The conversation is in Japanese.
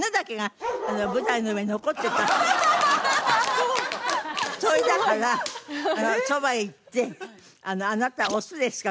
すごい！それだからそばへ行って「あなたはオスですか？